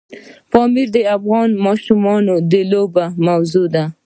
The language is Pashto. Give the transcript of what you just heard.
پامیر د افغان ماشومانو د لوبو موضوع ده.